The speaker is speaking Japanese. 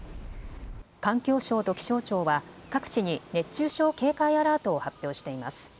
環境省と気象庁は各地に熱中症警戒アラートを発表しています。